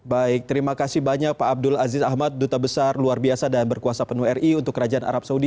baik terima kasih banyak pak abdul aziz ahmad duta besar luar biasa dan berkuasa penuh ri untuk kerajaan arab saudi